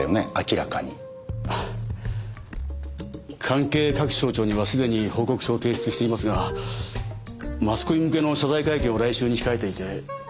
関係各省庁にはすでに報告書を提出していますがマスコミ向けの謝罪会見を来週に控えていて。